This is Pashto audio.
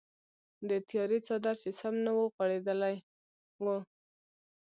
د تیارې څادر چې سم نه وغوړیدلی و.